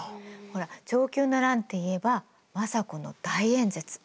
ほら承久の乱っていえば政子の大演説。